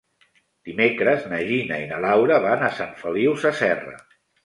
Dimecres na Gina i na Laura van a Sant Feliu Sasserra.